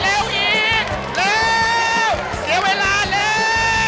เร็วเกลียวเวลาเร็ว